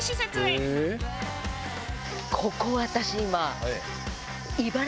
ここ私今。